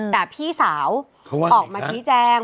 แต่พี่สาวออกมาชี้แจง